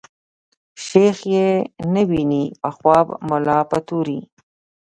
شيخ ئې نه ويني په خواب ملا په توري